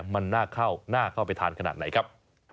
มันน่าเข้าน่าเข้าไปทานขนาดไหนครับ